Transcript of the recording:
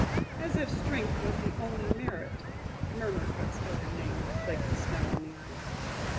"As if strength was the only merit!" murmured what still remained of flaky snow on the ice.